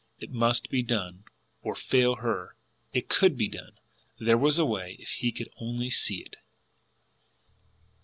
It must be done or FAIL her! It COULD be done; there was a way if he could only see it!